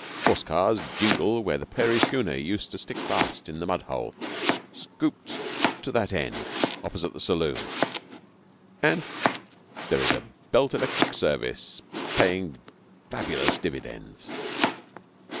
Horse cars jingle where the prairie schooner used to stick fast in the mud hole, scooped to that end, opposite the saloon; and there is a Belt Electric Service paying fabulous dividends.